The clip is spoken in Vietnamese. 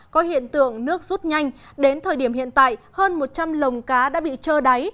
có hiện tượng nước rút nhanh đến thời điểm hiện tại hơn một trăm linh lồng cá đã bị trơ đáy